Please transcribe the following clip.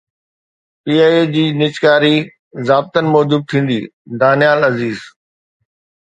P I A جي نجڪاري ضابطن موجب ٿيندي: دانيال عزيز